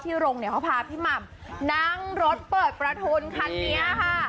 โรงเนี่ยเขาพาพี่หม่ำนั่งรถเปิดประทุนคันนี้ค่ะ